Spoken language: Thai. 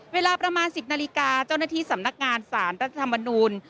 เวลาประมาณ๑๐นาฬิกาเจ้าหน้าที่สำนักงานสารรัฐธรรมนูล